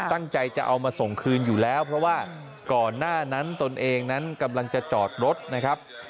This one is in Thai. ตั้งใจจะเอามาส่งคืนอยู่แล้วเพราะว่าก่อนหน้านั้นตนเองนั้นกำลังจะจอดรถนะครับ